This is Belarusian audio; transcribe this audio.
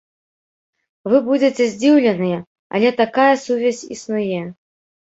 Вы будзеце здзіўленыя, але такая сувязь існуе.